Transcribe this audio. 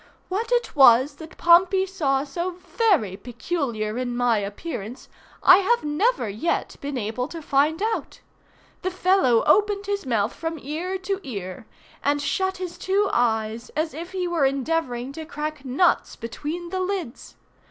What it was that Pompey saw so very peculiar in my appearance I have never yet been able to find out. The fellow opened his mouth from ear to ear, and shut his two eyes as if he were endeavoring to crack nuts between the lids.